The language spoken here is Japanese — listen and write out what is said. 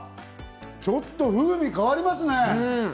ちょっと風味が変わりますね。